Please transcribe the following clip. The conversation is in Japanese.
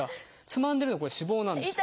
つまんでるのはこれ脂肪なんです。